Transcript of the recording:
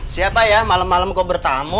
siapa ya malam malam kau bertamu